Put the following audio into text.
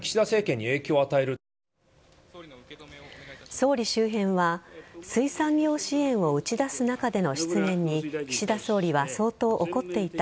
総理周辺は水産業支援を打ち出す中での失言に岸田総理は相当怒っていた。